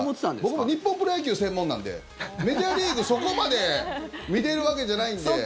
僕も日本プロ野球専門なんでメジャーリーグ、そこまで見てるわけじゃないんで。